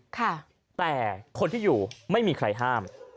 แต่คนที่อยู่ไม่มีใครห้าม